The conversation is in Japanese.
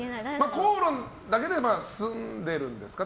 口論だけで済んでるんですか？